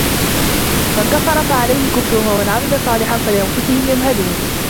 مَن كَفَرَ فَعَلَيهِ كُفرُهُ وَمَن عَمِلَ صالِحًا فَلِأَنفُسِهِم يَمهَدونَ